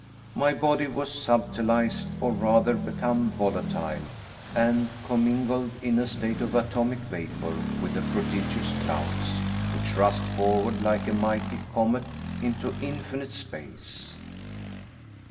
My body was subtilized, or rather became volatile, and commingled in a state of atomic vapor, with the prodigious clouds, which rushed forward like a mighty comet into infinite space!